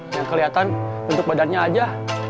yang keliatan bentuk badannya aja